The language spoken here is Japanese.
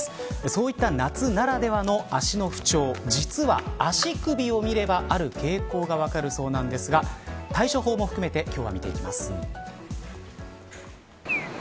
そういった夏ならではの脚の不調実は足首を見ればある傾向が分かるそうなんですが対処法も含めて今日は見ていきます。